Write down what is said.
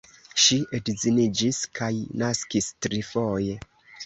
Ŝi edziniĝis kaj naskis trifoje.